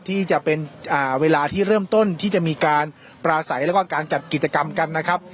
ที่จะเป็นเวลาที่เริ่มต้นที่จะมีการปราศัยแล้วก็การจัดกิจกรรมกันนะครับ